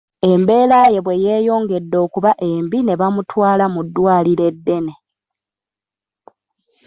Embeera ye bwe yeeyongedde okuba embi ne bamutwala mu ddwaliro eddene.